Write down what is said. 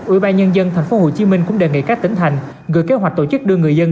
ủy ban nhân dân tp hcm cũng đề nghị các tỉnh thành gửi kế hoạch tổ chức đưa người dân